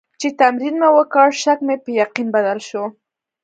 چې تمرین مې وکړ، شک مې په یقین بدل شو.